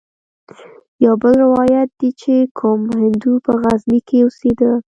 يو بل روايت ديه چې کوم هندو په غزني کښې اوسېده.